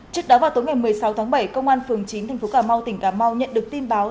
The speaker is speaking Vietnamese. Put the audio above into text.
trước đó vào tối ngày một mươi sáu tháng bảy công an phường chín tp cà mau tỉnh cà mau nhận được tin báo